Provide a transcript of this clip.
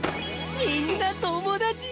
みんな友達！